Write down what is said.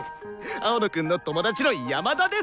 青野くんの友達の山田です！